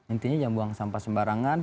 intinya jangan buang sampah sembarangan